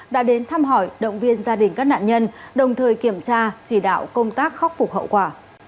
đã đến thăm hỏi động viên gia đình các nạn nhân đồng thời kiểm tra chỉ đạo công tác khắc phục hậu quả